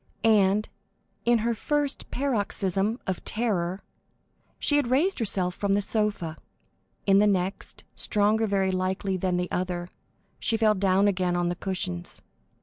And, in her first paroxysm of terror, she had raised herself from the sofa, in the next, stronger very likely than the other, she fell down again on the cushions.